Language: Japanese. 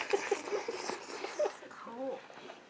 顔。